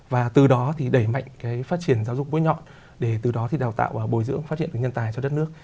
và từ đó thì đẩy mạnh cái phát triển giáo dục bối nhọn để từ đó thì đào tạo và bồi dưỡng phát triển nhân tài cho đất nước